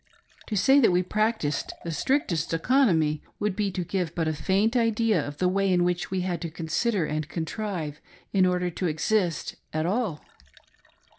To say that we practiced the strictest economy would be to give but a faint idea of the way in which we had to consider and contrive in order to exist at all.